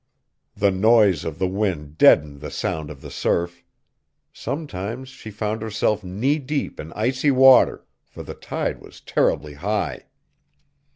The noise of the wind deadened the sound of the surf. Sometimes she found herself knee deep in icy water, for the tide was terribly high.